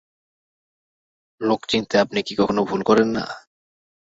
লোক চিনতে আপনি কি কখনো ভুল করেন না?